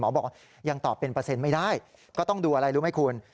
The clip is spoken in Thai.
บอกว่ายังตอบเป็นเปอร์เซ็นต์ไม่ได้ก็ต้องดูอะไรรู้ไหมคุณ